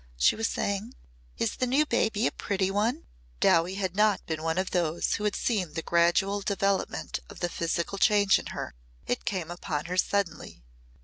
she was saying. "Is the new baby a pretty one?" Dowie had not been one of those who had seen the gradual development of the physical change in her. It came upon her suddenly.